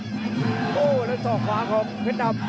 โหแล้วส่องขวาของเพชรดำ